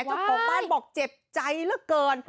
เจ้าของบ้านบอกเจ็บใจเหลือเกิน